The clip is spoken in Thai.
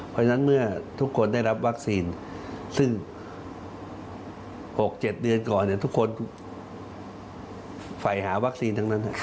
เพราะฉะนั้นเมื่อทุกคนได้รับวัคซีนซึ่ง๖๗เดือนก่อนทุกคนฝ่ายหาวัคซีนทั้งนั้น